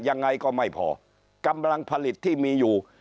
ยังไงก็ไม่พอกำลังผลิตที่มีอยู่